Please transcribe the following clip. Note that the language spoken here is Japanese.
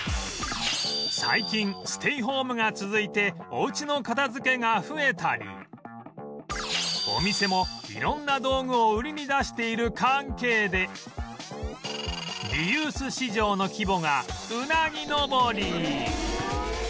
最近ステイホームが続いてお家の片づけが増えたりお店も色んな道具を売りに出している関係でリユース市場の規模がうなぎ登り